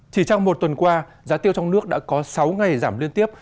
chỉ trong một tuần qua giá tiêu trong nước đã có sáu ngày giảm liên tiếp